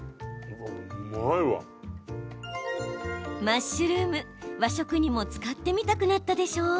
マッシュルーム、和食にも使ってみたくなったでしょう？